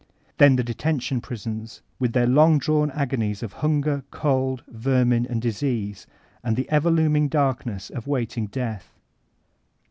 Then the detention prisons, with their long drawn agonies of hunger, cold, vermin, and disease, and the ever looming darkness of waiting death.